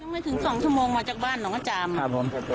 ไม่ถึง๒ชั่วโมงมาจากบ้านของอาจารย์